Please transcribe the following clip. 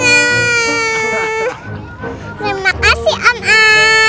terima kasih om al